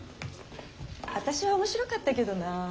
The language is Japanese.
私は面白かったけどなあ。